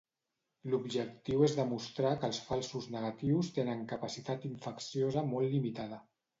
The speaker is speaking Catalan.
L'objectiu és demostrar que els falsos negatius tenen capacitat infecciosa molt limitada.